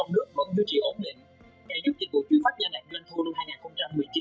ngày nhất dịch vụ chuyển phát nhanh đạt doanh thu